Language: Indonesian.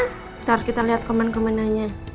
ntar kita lihat komen komennya